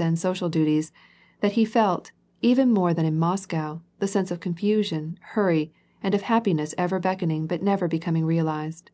and social duties, that he felt, even more than in Moscow, the sense of confusion, hurry, and of happiness ever beckoning but never becoming realized.